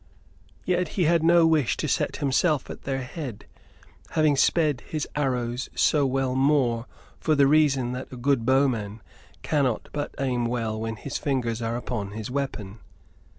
Yet he had no wish to set himself at their head, having sped his arrows so well more for the reason that a good bowman cannot but aim well when his fingers are upon his weapon.